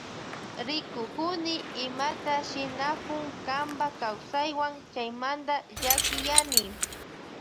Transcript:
Rikukuni imata shinakunk kanpa kawsaywan chaymanta llakiyani.